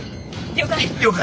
了解。